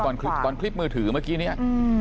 ตอนขวางตอนคลิบมือถือเมื่อกี้เนี่ย